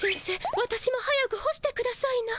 わたしも早く干してくださいな。